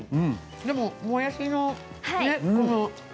でも、もやしの。